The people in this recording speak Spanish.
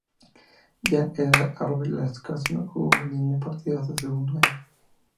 Ya en Egg Harbor, Lancaster no jugó ningún partido hasta su segundo año.